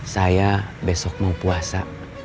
saya besok mau puasa